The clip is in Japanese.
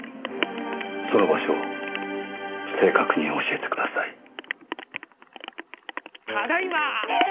その場所を正確に教えてください。